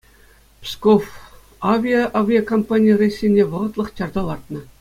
«Псковавиа» авиакомпани рейссене вӑхӑтлӑх чарса лартнӑ.